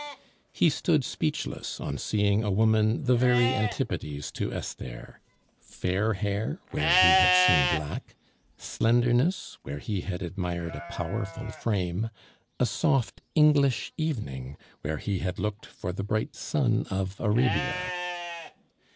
He stood speechless on seeing a woman the very antipodes to Esther; fair hair where he had seen black, slenderness where he had admired a powerful frame! A soft English evening where he had looked for the bright sun of Arabia.